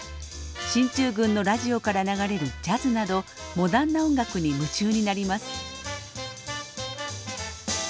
進駐軍のラジオから流れるジャズなどモダンな音楽に夢中になります。